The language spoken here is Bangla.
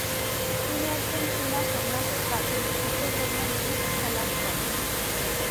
তিনি একজন চীনা সন্ন্যাসীর কাছে বৌদ্ধধর্ম নিয়ে শিক্ষালাভ করেন।